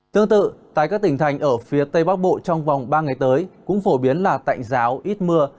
tương tự tại các tỉnh thành ở phía tây bắc bộ trong vòng ba ngày tới cũng phổ biến là tạnh giáo ít mưa